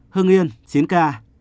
hưng yên chín ca